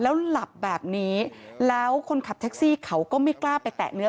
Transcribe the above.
แล้วหลับแบบนี้แล้วคนขับแท็กซี่เขาก็ไม่กล้าไปแตะเนื้อ